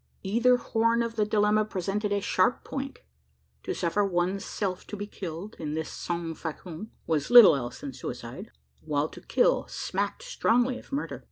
Either horn of the dilemma presented a sharp point. To suffer one's self to be killed, in this sans facon, was little else than suicide while to kill, smacked strongly of murder!